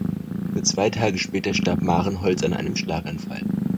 Nur zwei Tage später starb Marenholtz an einem Schlaganfall.